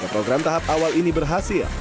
program tahap awal ini berhasil